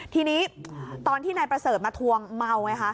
ทีนี้ตอนที่นายประเสริฐมาทวงเมาไงคะ